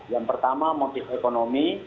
yang pertama motif ekonomi